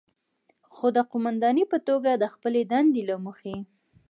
خو د قوماندانې په توګه د خپلې دندې له مخې،